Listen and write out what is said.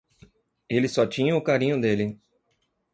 Ele só tinha o carinho dele.